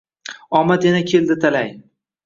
Omad yana keldi talay